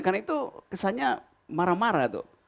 karena itu kesannya marah marah tuh